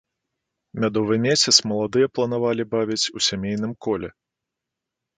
Мядовы месяц маладыя планавалі бавіць у сямейным коле.